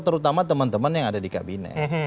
terutama teman teman yang ada di kabinet